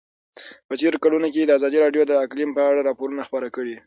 په تېرو کلونو کې ازادي راډیو د اقلیم په اړه راپورونه خپاره کړي دي.